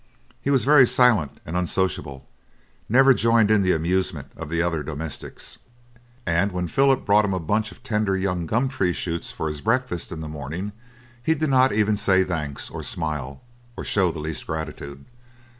He was very silent and unsociable, never joined in the amusements of the other domestics, and when Philip brought him a bunch of tender young gum tree shoots for his breakfast in the morning, he did not even say "thanks" or smile, or show the least gratitude.